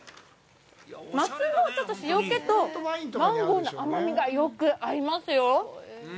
マスのちょっと塩気とマンゴーの甘みが、よく合いますよ。